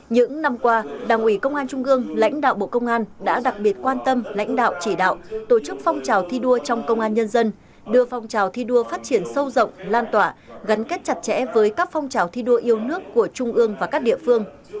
những năm qua đảng ủy công an trung ương lãnh đạo bộ công an đã đặc biệt quan tâm lãnh đạo chỉ đạo tổ chức phong trào thi đua trong công an nhân dân đưa phong trào thi đua phát triển sâu rộng lan tỏa gắn kết chặt chẽ với các phong trào thi đua yêu nước của trung ương và các địa phương